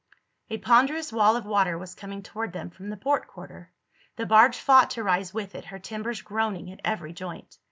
A ponderous wall of water was coming toward them from the port quarter. The barge fought to rise with it, her timbers groaning at every joint.